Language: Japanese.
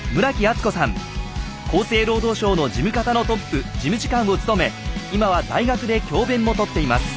厚生労働省の事務方のトップ事務次官を務め今は大学で教べんもとっています。